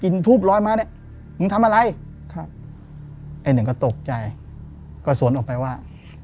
ทูบร้อยมาเนี้ยมึงทำอะไรครับไอ้หนึ่งก็ตกใจก็สวนออกไปว่า